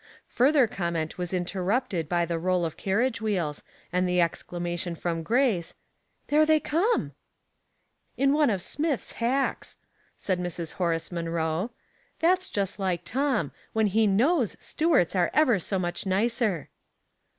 Futher comment was interrupted by the roll of carriage wheels, and the exclamation from Grace, —" There they come !"*' In one of Smith's hacks," said Mrs. Horace Munroe. " That's just like Tom, when he knows Stuart's are ever so much nicer."